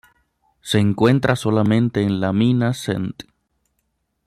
Se encuentra solamente en la mina St.